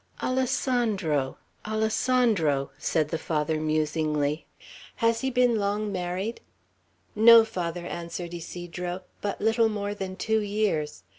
"Alessandro! Alessandro!" said the Father, musingly. "Has he been long married?" "No, Father," answered Ysidro. "But little more than two years.